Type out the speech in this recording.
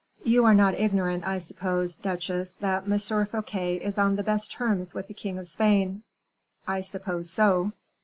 "You are not ignorant, I suppose, duchesse, that M. Fouquet is on the best terms with the king of Spain." "I suppose so."